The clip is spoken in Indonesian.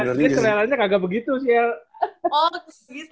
dia seleranya kagak begitu siel